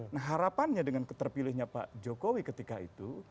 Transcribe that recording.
nah harapannya dengan keterpilihnya pak jokowi ketika itu